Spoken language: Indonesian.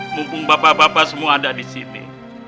mumpung bapak bapak semua ada di sini